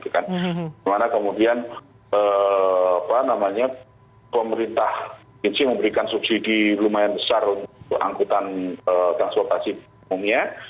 kemana kemudian pemerintah insi memberikan subsidi lumayan besar untuk angkutan transportasi umumnya